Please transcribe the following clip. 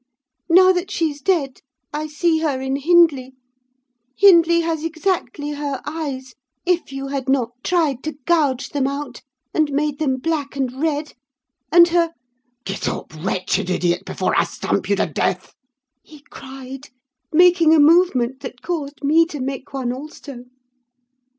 Now that she's dead, I see her in Hindley: Hindley has exactly her eyes, if you had not tried to gouge them out, and made them black and red; and her—' "'Get up, wretched idiot, before I stamp you to death!' he cried, making a movement that caused me to make one also.